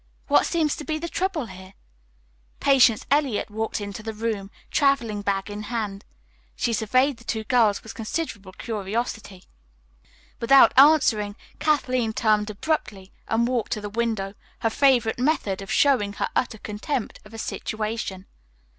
"What seems to be the trouble here?" Patience Eliot walked into the room, traveling bag in hand. She surveyed the two girls with considerable curiosity. Without answering, Kathleen turned abruptly and walked to the window, her favorite method of showing her utter contempt of a situation.